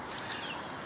itu juga terlihat